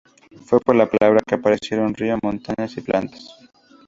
Fue por la palabra que aparecieron río, montañas y plantas.